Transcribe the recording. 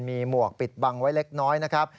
มีหมวกปิดบังไว้เล็กน้อยนะครับ